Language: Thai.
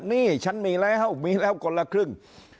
นี่ฉันมีแล้วมีแล้วคนละครึ่ง